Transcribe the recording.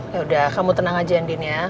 yaudah kamu tenang aja andin ya